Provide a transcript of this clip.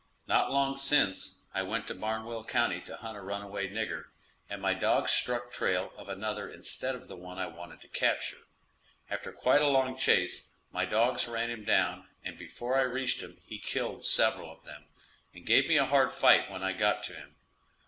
Not long since, I went to Barnwell county to hunt a runaway nigger, and my dogs struck trail of another instead of the one I wanted to capture. After quite a long chase my dogs ran him down, and before I reached him he killed several of them, and gave me a hard fight when I got to him.